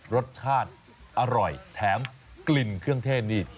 รสชาติอร่อยแถมกลิ่นเครื่องเทศนี่